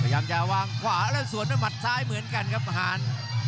พยายามจะวางขวาแล้วสวนด้วยหมัดซ้ายเหมือนกันครับทหาร